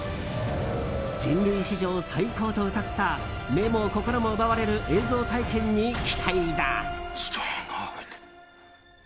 人類史上最高とうたった目も心も奪われる映像体験に期待だ。